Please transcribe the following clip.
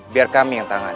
biar kami yang tangan